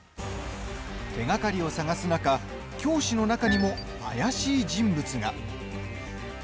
手がかりを探す中教師の中にも怪しい人物が。